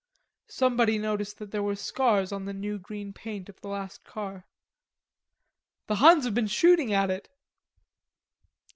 Somebody noticed that there were scars on the new green paint of the last car. "The Huns have been shooting at it."